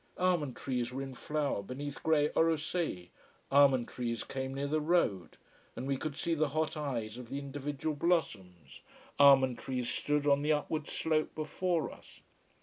Almond trees were in flower beneath grey Orosei, almond trees came near the road, and we could see the hot eyes of the individual blossoms, almond trees stood on the upward slope before us.